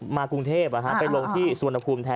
มากรุงเทพฯไปลงที่สวรรค์นักภูมิแทน